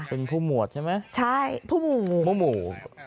เป็นผู้หมวดใช่ไหมใช่ผู้หมู่